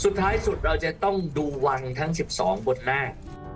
สุดท้ายสุดเราจะต้องดูวังทั้ง๑๒บนแรก